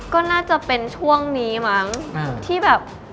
ก็น่าจะเป็นช่วงนี้มั้งที่แบบ